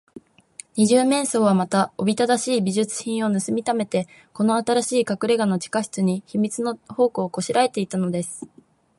二十面相は、また、おびただしい美術品をぬすみためて、この新しいかくれがの地下室に、秘密の宝庫をこしらえていたのです。